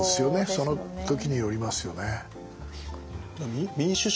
その時によりますよね。